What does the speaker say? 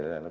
là có cái